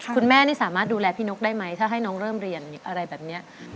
คุณแม่นี่สามารถดูแลพี่นกได้ไหมถ้าให้น้องเริ่มเรียนอะไรแบบนี้